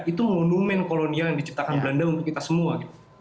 itu monumen kolonial yang diciptakan belanda untuk kita semua